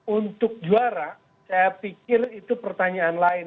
untuk juara saya pikir itu pertanyaan lain